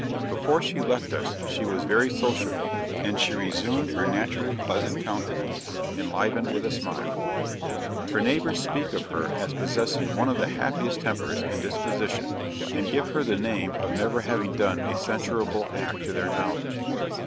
Before she left us she was very sociable, and she resumed her naturally pleasant countenance, enlivened with a smile. Her neighbors speak of her as possessing one of the happiest tempers and disposition, and give her the name of never having done a censurable act to their knowledge.